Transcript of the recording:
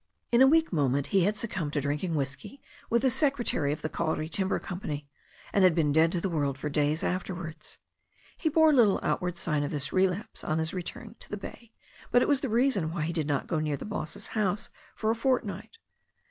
In a weak moment he had succumbed to drinking whisky with the secretary of the Kauri Timber Company, and had been dead to the world for days afterwards. He bore lit tle outward sign of this relapse on his return to the bay, but it was the reason why he did not go near the boss's house for a fortnight.